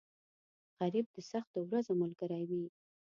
غریب د سختو ورځو ملګری وي